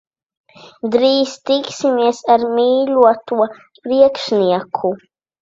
Drīz tiksimies ar mīļoto priekšnieku.